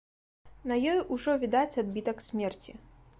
На ёй ужо відаць адбітак смерці.